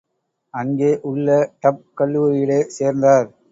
அங்கே உள்ள டப் கல்லூரியிலே சேர்ந்தார்.